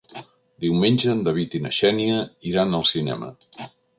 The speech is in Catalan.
Diumenge en David i na Xènia iran al cinema.